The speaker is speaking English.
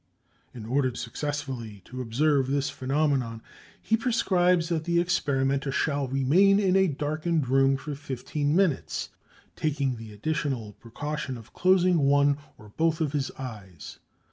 In order successfully to observe this phenomenon, he prescribes that the experimenter shall remain in a darkened room for fifteen minutes, taking the additional precaution of closing one or both of his eyes.